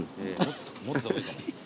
持ってた方がいいかも。